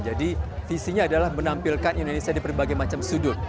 jadi visinya adalah menampilkan indonesia di berbagai macam sudut